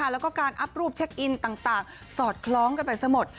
แล้วก็การอัพรูปเช็คอินต่างสอดคล้องกันไปซะหมด